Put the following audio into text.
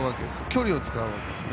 距離を使うわけです。